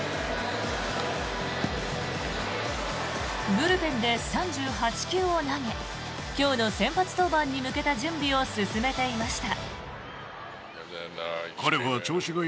ブルペンで３８球を投げ今日の先発登板に向けた準備を進めていました。